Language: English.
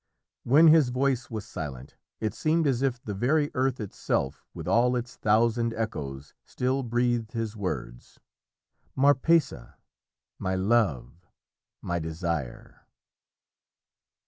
When his voice was silent, it seemed as if the very earth itself with all its thousand echoes still breathed his words: "Marpessa my Love my Desire."